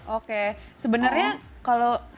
oke sebenarnya kalau setelah memenangkan